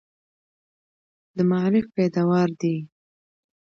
د معارف پیداوار دي.